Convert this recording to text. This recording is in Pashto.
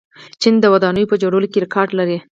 چین د ودانیو په جوړولو کې ریکارډ لري.